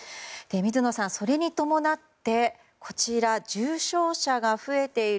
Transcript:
水野さん、それに伴って重症者が増えている。